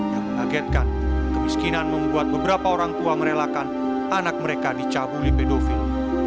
yang mengagetkan kemiskinan membuat beberapa orang tua merelakan anak mereka dicabuli pedofil